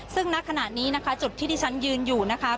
ซึ่งณขณะนี้นะคะจุดที่ที่ฉันยืนอยู่นะคะ